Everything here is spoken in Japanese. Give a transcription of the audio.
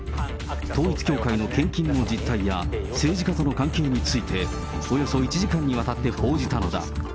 統一教会の献金の実態や政治家との関係について、およそ１時間にわたって報じたのだ。